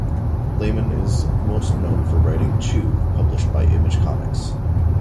Layman is most known for writing "Chew", published by Image Comics.